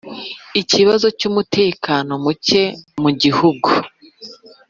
ikibazo cy'umutekano muke mu gihugu.